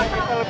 oke gitu lah